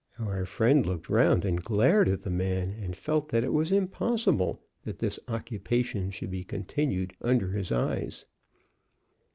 Our friend looked round and glared at the man, and felt that it was impossible that this occupation should be continued under his eyes.